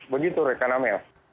begitu rekan amel